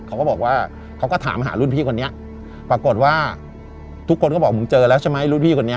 เขาก็บอกว่าเขาก็ถามหารุ่นพี่คนนี้ปรากฏว่าทุกคนก็บอกมึงเจอแล้วใช่ไหมรุ่นพี่คนนี้